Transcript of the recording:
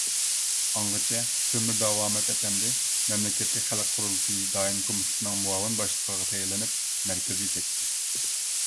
ئاڭغىچە تۆمۈر داۋامەت ئەپەندى مەملىكەتلىك خەلق قۇرۇلتىيى دائىمىي كومىتېتىنىڭ مۇئاۋىن باشلىقلىقىغا تەيىنلىنىپ مەركەزگە كەتتى.